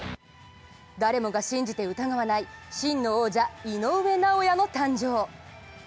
誰もが信じて疑わない真の王者・井上尚弥の誕生。